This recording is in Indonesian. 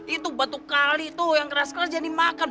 itu batu kali tuh yang keras keras jadi makan